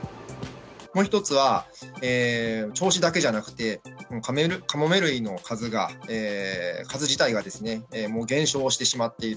もう１つは、銚子だけじゃなくて、カモメ類の数が、数自体がもう減少してしまっている。